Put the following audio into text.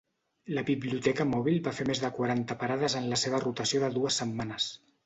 La biblioteca mòbil va fer més de quaranta parades en la seva rotació de dues setmanes.